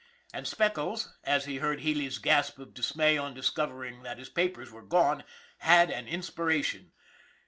And Speckles, as he heard Healy' s gasp of dismay on discovering that his papers were gone, had an inspiration.